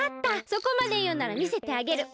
そこまでいうならみせてあげる。